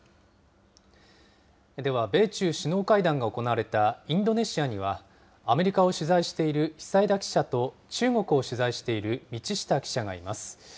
では、米中首脳会談が行われたインドネシアには、アメリカを取材している久枝記者と、中国を取材している道下記者がいます。